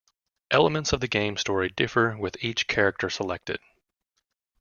Elements of the game story differ with each character selected.